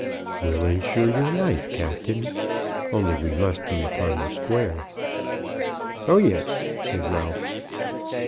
"We'll insure your life, Captain. Only we must be upon the square." "Oh, yes," said Ralph.